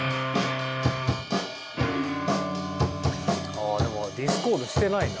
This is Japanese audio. ああでもディスコードしてないな。